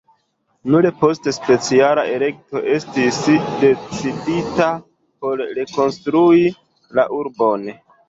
Nur post speciala elekto estis decidita por rekonstrui la urbon.